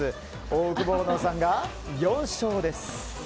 オオクボーノさんが４勝です。